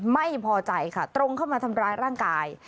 ไม่พอใจค่ะตรงเข้ามาทำร้ายร่างกาย